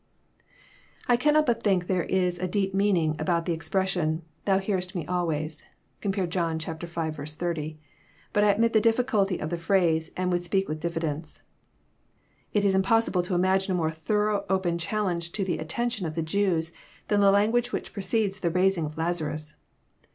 I cannot but think there is a deep meaning about the expression, "Thou hearest Me alway." (Compare John v. 80.) But I admit the difficulty of the phrase aud would speak with diffidence. It is impossible to imagine a more thorough open challenge to the attention of the Jews, than the language which preceded the raising of Lazarus.